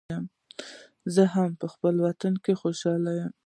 زه هم پخپل وطن خوشحال یم